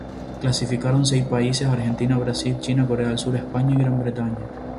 Clasificaron seis países: Argentina, Brasil, China, Corea del Sur, España y Gran Bretaña.